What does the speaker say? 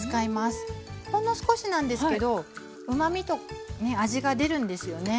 ほんの少しなんですけどうまみと味が出るんですよね。